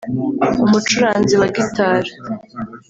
umucuranzi wa guitar